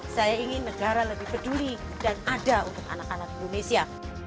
saya ingin negara lebih peduli dan ada untuk anak anak indonesia